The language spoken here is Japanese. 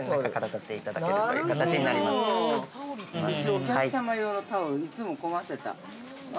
お客様用のタオルいつも困ってた。